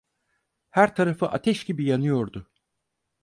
Her tarafı ateş gibi yanıyordu.